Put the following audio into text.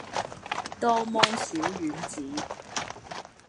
多芒小丸子